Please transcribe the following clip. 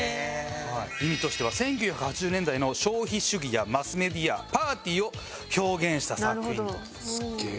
意味としては１９８０年代の消費主義やマスメディアパーティーを表現した作品と。